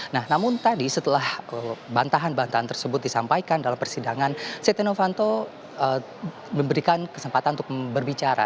nah namun tadi setelah bantahan bantahan tersebut disampaikan dalam persidangan setia novanto memberikan kesempatan untuk berbicara